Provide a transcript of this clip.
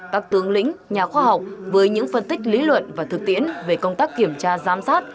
các tướng lĩnh nhà khoa học với những phân tích lý luận và thực tiễn về công tác kiểm tra giám sát